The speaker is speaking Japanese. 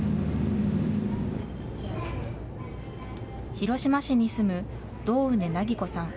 広島市に住む堂畝梛子さん